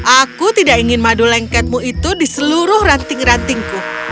aku tidak ingin madu lengketmu itu di seluruh ranting rantingku